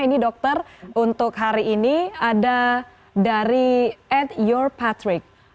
ini dokter untuk hari ini ada dari ed yourpatrick